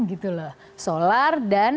gitu loh solar dan